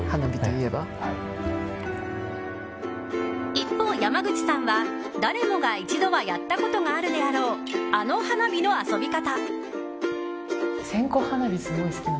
一方、山口さんは誰もが一度はやったことがあるであろうあの花火の遊び方。